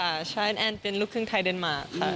ใช่แอนเป็นลูกครึ่งไทยเดนมาร์ค่ะ